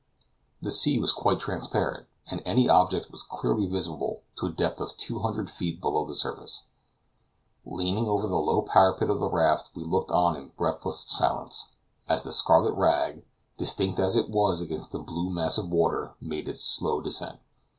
The sea was quite transparent, and any object was clearly visible to a depth of two hundred feet below the surface. Leaning over the low parapet of the raft we looked on in breathless silence, as the scarlet rag, distinct as it was against the blue mass of water, made its slow descent.